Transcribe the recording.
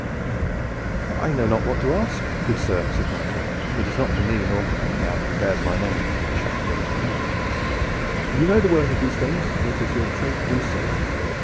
"I know not what to ask, good sir," said Nigel. "It is not for me, nor for any man who bears my name, to chaffer and to haggle. You know the worth of these things, for it is your trade to do so.